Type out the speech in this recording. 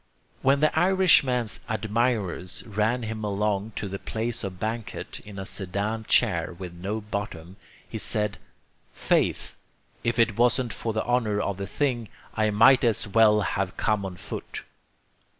When the Irishman's admirers ran him along to the place of banquet in a sedan chair with no bottom, he said, "Faith, if it wasn't for the honor of the thing, I might as well have come on foot."